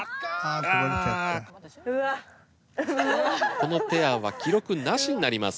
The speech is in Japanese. このペアは記録なしになります。